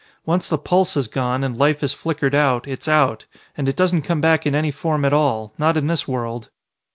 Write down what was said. Once the pulse has gone, and life has flickered out, it's out. And it doesn't come back in any form at all, not in this world!"